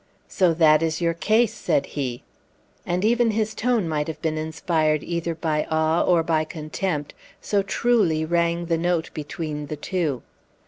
"So that is your case!" said he. And even his tone might have been inspired either by awe or by contempt, so truly rang the note between the two.